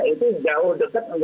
itu jauh dekat